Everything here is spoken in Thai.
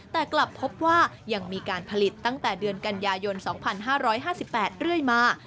แต่กลับพบว่ายังมีการผลิตตั้งแต่เดือนกันยายน๒๕๕๘เรื่อยมา